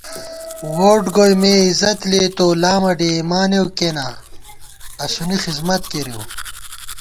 ووٹ گوئی مےعِزت لېئیتوؤ لامہ ڈېئیمانېؤ کینا، اسُونی خسمت کېرِؤ